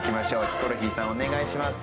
ヒコロヒーさんお願いします。